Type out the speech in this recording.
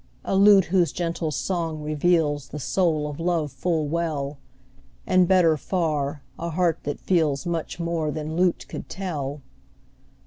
A lute whose gentle song reveals The soul of love full well; And, better far, a heart that feels Much more than lute could tell.